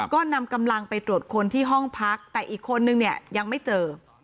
ก็นำกำลังไปตรวจคนที่ห้องพักแต่อีกคนนึงเนี่ยยังไม่เจอ